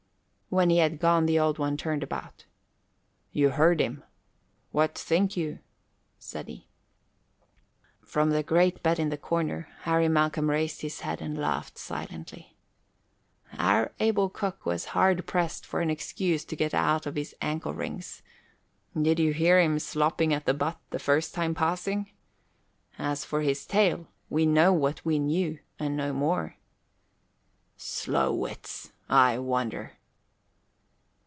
When he had gone the Old One turned about. "You heard him. What think you?" said he. From the great bed in the corner, Harry Malcolm raised his head and laughed silently. "Our able cook was hard pressed for an excuse to get out of his ankle rings. Did you hear him slopping at the butt the first time passing? As for his tale, we know what we knew, and no more." "'Slow wits'! I wonder."